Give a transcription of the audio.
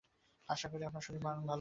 আশা করি, আপনার শরীর মন ভাল আছে।